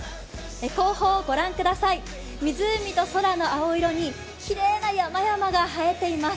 後方を御覧ください、湖と空の青色にきれいな山々が映えています。